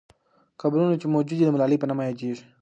قبرونه چې موجود دي، د ملالۍ په نامه یادیږي.